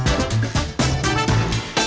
kita bikinnya banyak juga